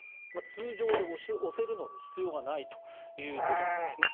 通常で押せるので必要がないということなんですね。